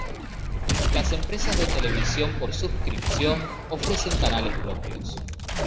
Las empresas de televisión por suscripción ofrecen canales propios.